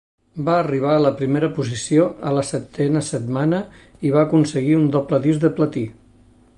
Va arribar a la primera posició a la setena setmana i va aconseguir un doble disc de platí.